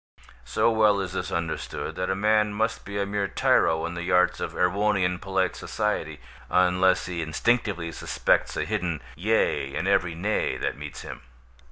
So well is this understood, that a man must be a mere tyro in the arts of Erewhonian polite society, unless he instinctively suspects a hidden "yea" in every "nay" that meets him.